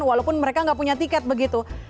walaupun mereka tidak punya tiket gitu